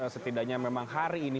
setidaknya memang hari ini